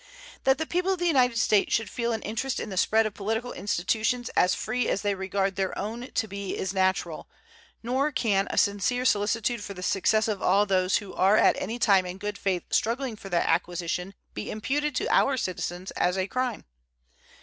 That the people of the United States should feel an interest in the spread of political institutions as free as they regard their own to be is natural, nor can a sincere solicitude for the success of all those who are at any time in good faith struggling for their acquisition be imputed to our citizens as a crime.